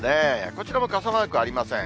こちらも傘マークはありません。